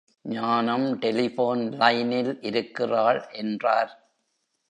ஞானம் டெலிபோன் லைனில் இருக்கிறாள். என்றார்.